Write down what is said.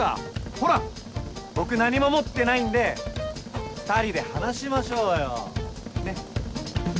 ほら僕何も持ってないんで２人で話しましょうよねっ。